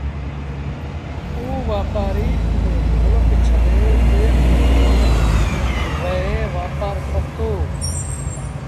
اُ وآپآري پنڊرو ملڪ ڇڏي ٻي ملڪ ميݩ وهي وآپآر ڪرتو